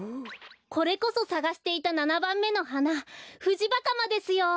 これこそさがしていた７ばんめのはなフジバカマですよ！